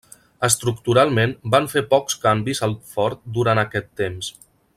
Estructuralment van fer pocs canvis al fort durant aquest temps.